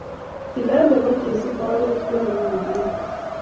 Tilet nebo jesub oret ko nengung kiibwat